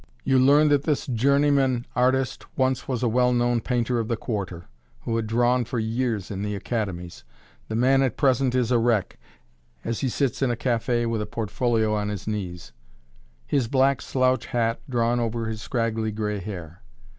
You learn that this journeyman artist once was a well known painter of the Quarter, who had drawn for years in the academies. The man at present is a wreck, as he sits in a café with portfolio on his knees, his black slouch hat drawn over his scraggly gray hair.